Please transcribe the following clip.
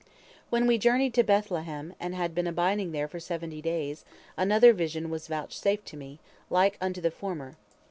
"When we journeyed to Beth lehem, and had been abiding there for seventy days, another vision was vouchsafed me, like unto the former.